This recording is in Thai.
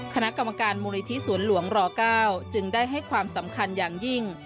คณะกรรมการมูลนิธิสวนหลวงร๙จึงได้ให้ความสำคัญอย่างยิ่ง